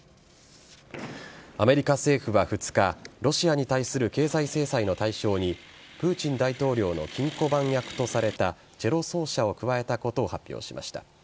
アメリカ政府は２日ロシアに対する経済制裁の対象にプーチン大統領の金庫番役とされたチェロ奏者を加えたことを発表しました。